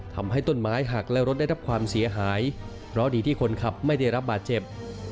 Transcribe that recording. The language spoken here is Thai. ทำให้ต้นไม้หักและรถได้รับความเสียหายเพราะดีที่คนขับไม่ได้รับบาดเจ็บ